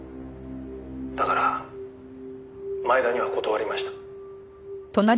「だから前田には断りました」